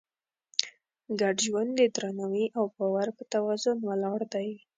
ګډ ژوند د درناوي او باور په توازن ولاړ دی.